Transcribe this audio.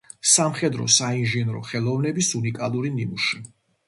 სამხედრო საინჟინრო ხელოვნების უნიკალური ნიმუში.